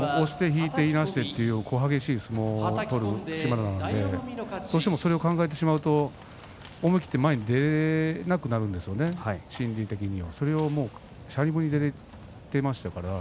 押して引いていなしてという、小激しい相撲を取る對馬洋なのでどうしてもそれを考えてしまうと思い切って前に出れなくなるんですよね、心理的に。